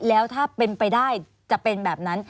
แล้วถ้าเป็นไปได้จะเป็นแบบนั้น